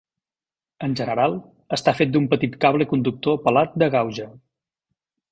En general, està fet d'un petit cable conductor pelat de gauge.